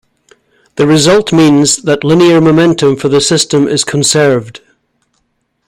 This result means that linear momentum for the system is conserved.